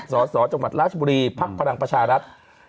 สสจังหวัดราชบุรีภักดิ์พลังประชารัฐ